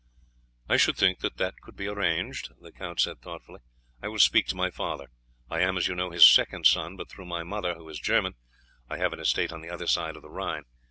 "I should think that that could be managed," the count said thoughtfully. "I will speak to my father. I am, as you know, his second son, but through my mother, who is a German, I have an estate on the other side of the Rhine.